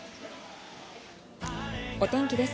お天気です。